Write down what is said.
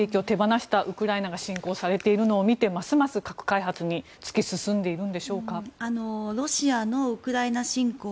核兵器を手放したウクライナが侵攻されているのを見てますます核開発に突き進んでいるんでしょうか。